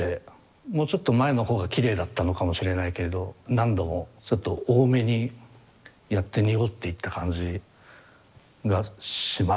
もうちょっと前の方がきれいだったのかもしれないけれど何度もちょっと多めにやって濁っていった感じがしますが。